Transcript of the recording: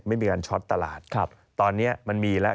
ไม่มีการช็อตตลาดครับตอนนี้มันมีแล้ว